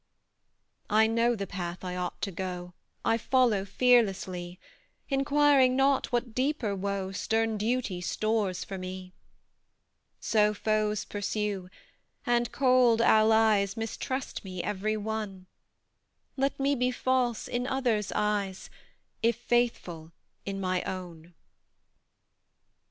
I know the path I ought to go I follow fearlessly, Inquiring not what deeper woe Stern duty stores for me. So foes pursue, and cold allies Mistrust me, every one: Let me be false in others' eyes, If faithful in my own.